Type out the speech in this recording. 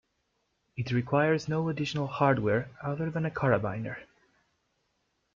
It requires no additional hardware other than a carabiner.